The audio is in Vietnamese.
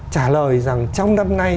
trả lời rằng trong năm nay